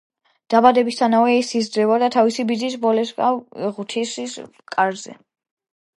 დაბადებისთანავე ის იზრდებოდა თავისი ბიძის ბოლესლავ ღვთისმოსავის კარზე.